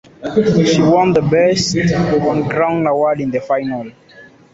She won the "best on ground" award in the final.